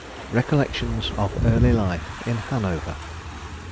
RECOLLECTIONS OF EARLY LIFE IN HANOVER.